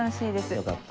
よかった。